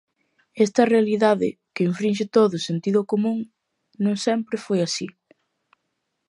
Esta realidade, que infrinxe todo sentido común, non sempre foi así.